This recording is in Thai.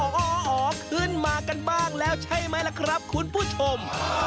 พื้นมากันบ้างแล้วใช่ไหมครับคุณผู้ชม